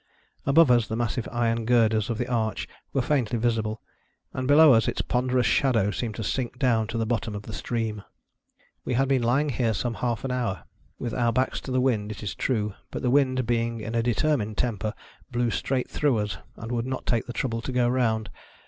Above us, the massive iron girders of the arch were faintly visible, and below us its ponderous shadow seemed to sink down to the bottom of the stream. We had been lying here some half an hour. With our backs to the wind, is it true ; but the wind being in a determined temper blew straight through us, and would not take the trouble to go round.